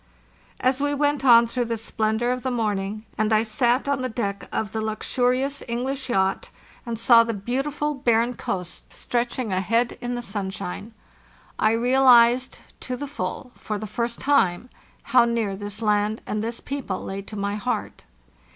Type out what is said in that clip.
As we went on through the splendor of the morning, and I sat on the deck of the luxurious English yacht and saw the beauti THE JOURNEY SOUTHWARD 595 ful barren coast stretching ahead in the sunshine, I re alized to the full for the first time how near this land and this people lay to my heart.